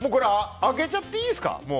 当てちゃっていいですか。